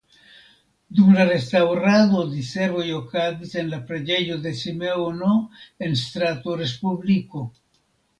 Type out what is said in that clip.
Dum la restaŭrado diservoj okazis en la preĝejo de Simeono en strato Respubliko.